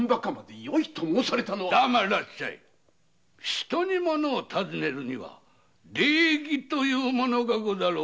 ヒトにものを尋ねるには礼儀というものがござろう。